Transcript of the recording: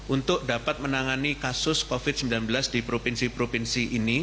untuk dapat menangani kasus covid sembilan belas di provinsi provinsi ini